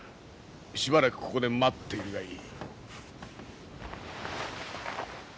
しばらくここで待っているがいい。